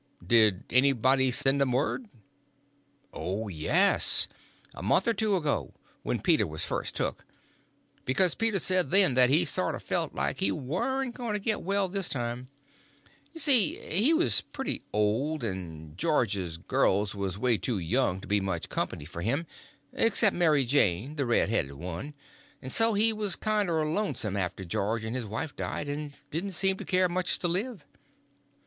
"Did anybody send 'em word?" "Oh, yes; a month or two ago, when Peter was first took; because Peter said then that he sorter felt like he warn't going to get well this time. You see, he was pretty old, and George's g'yirls was too young to be much company for him, except Mary Jane, the red headed one; and so he was kinder lonesome after George and his wife died, and didn't seem to care much to live.